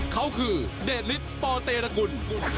เขาคือเดชลิศปเตรกุล